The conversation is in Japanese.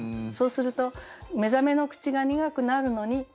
そうすると「目覚めの口が苦くなるのに」。